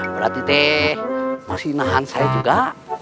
berarti teh masih nahan saya juga